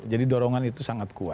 jadi dorongan itu sangat kuat